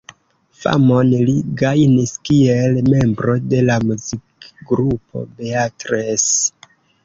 Famon li gajnis kiel membro de la muzikgrupo Beatles.